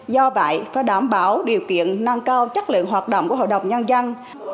do vậy phải đảm bảo điều kiện nâng cao chất lượng hoạt động của hội đồng nhân dân